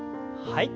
はい。